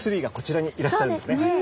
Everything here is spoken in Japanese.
はい。